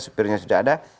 supirnya sudah ada